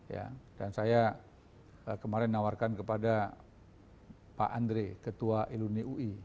ya dan saya kemarin nawarkan kepada pak andre ketua iluni ui